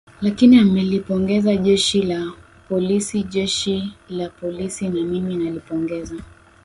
lakini amelipongeza jeshi la polisi jeshi la polisi na mimi nalipongeza